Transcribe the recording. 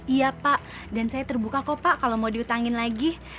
iya pak dan saya terbuka kok pak kalau mau diutangin lagi